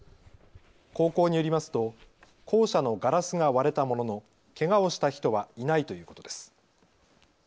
高校によりますと校舎のガラスが割れたものの、けがをした人はいないということです。